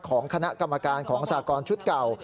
ของคณะกรรมการของสากรชุดเก่า